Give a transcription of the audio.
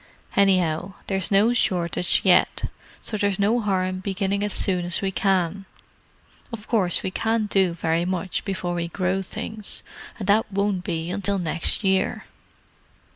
Anyhow, there's no shortage yet, so there's no harm in beginning as soon as we can. Of course we can't do very much before we grow things—and that won't be until next year."